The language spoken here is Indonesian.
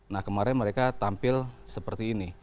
nah kemarin mereka tampil seperti ini